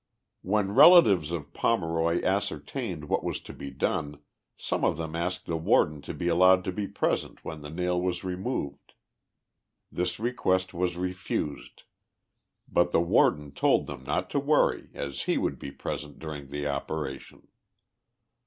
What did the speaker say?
When relatives of Pomeroy ascertained what was to be done some of them asked the warden to be allowed to be present when the nail was removed. This request was refused, but the warden told them not to worry as he would be present during the opera tion.